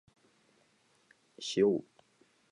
あいさつをしよう